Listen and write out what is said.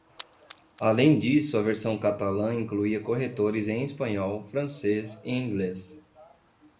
Além disso, a versão catalã incluía corretores em espanhol, francês e inglês.